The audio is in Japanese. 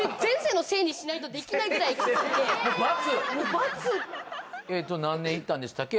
もう罰何年行ったんでしたっけ？